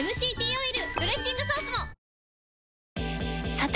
さて！